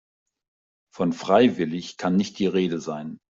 Von freiwillig kann nicht die Rede sein.